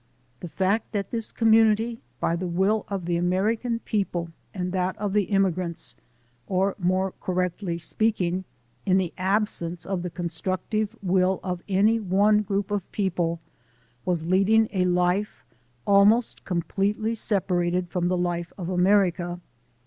The fact was that this community, by the will of the American people and that of the immigrants, or more correctly speaking, in the absence of the constructive will of any one group of people, was leading a life almost completely separated from the life of America.